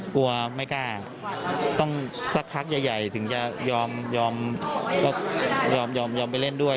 กลัวไม่กล้าต้องซักครั้งใหญ่ถึงจะยอมไปเล่นด้วย